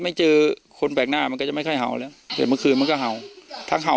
แย่ละเวลามันกลัวไวนี่กันบ้างน่ะ